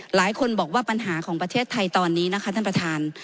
หลายคนบอกว่าปัญหาของประเทศไทยตอนนี้นะคะท่านประธาน